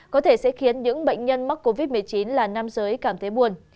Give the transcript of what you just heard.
có thể sẽ khiến những bệnh nhân mắc covid một mươi chín là nam giới cảm thấy buồn